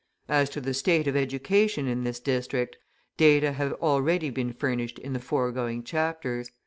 As to the state of education in this district, data have already been furnished in the foregoing chapters.